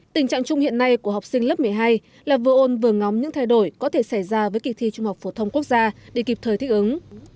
tình trạng chung hiện nay của học sinh lớp một mươi hai là vừa ôn vừa ngóng những thay đổi có thể xảy ra với kỳ thi trung học phổ thông quốc gia để kịp thời thích ứng